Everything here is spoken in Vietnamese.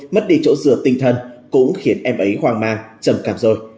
mất đi chỗ dựa tinh thần cũng khiến em ấy hoang mang trầm cảm rồi